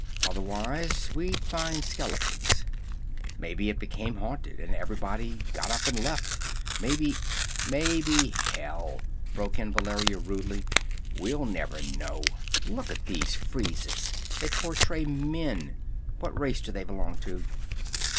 "Otherwise we'd find skeletons. Maybe it became haunted, and everybody got up and left. Maybe " "Maybe, hell!" broke in Valeria rudely. "We'll never know. Look at these friezes. They portray men. What race do they belong to?"